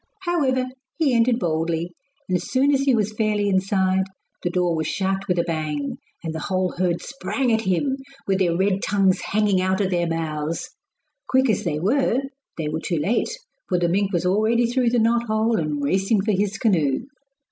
However, he entered boldly, and as soon as he was fairly inside the door was shut with a bang, and the whole herd sprang at him, with their red tongues hanging out of their mouths. Quick as they were they were too late, for the mink was already through the knot hole and racing for his canoe.